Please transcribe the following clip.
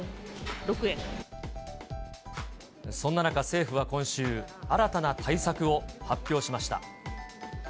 そんな中、政府は今週、新たな対策を発表しました。